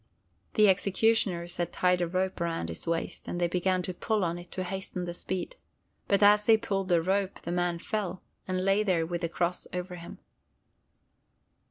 The executioners had tied a rope around his waist, and they began to pull on it to hasten the speed. But as they pulled the rope the man fell, and lay there with the cross over him.